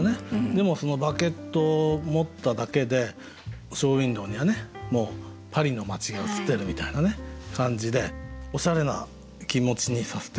でもそのバゲットを持っただけでショーウィンドーにはねもうパリの街が映ってるみたいな感じでおしゃれな気持ちにさせてくれるっていうね